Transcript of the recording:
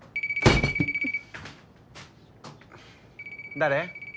誰？